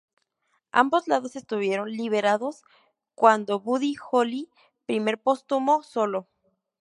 Ambos lados estuvieron liberados cuando Buddy Holly primer póstumo solo.